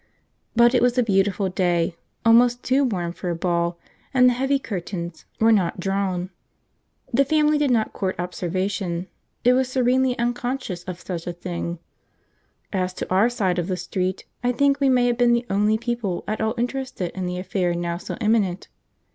But it was beautiful day, almost too warm for a ball, and the heavy curtains were not drawn. The family did not court observation; it was serenely unconscious of such a thing. As to our side of the street, I think we may have been the only people at all interested in the affair now so imminent.